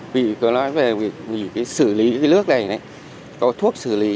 vì có loại về xử lý nước này có thuốc xử lý